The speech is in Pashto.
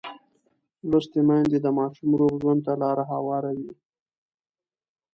لوستې میندې د ماشوم روغ ژوند ته لار هواروي.